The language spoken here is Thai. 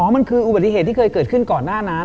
มันคืออุบัติเหตุที่เคยเกิดขึ้นก่อนหน้านั้น